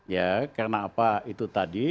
ya karena apa itu tadi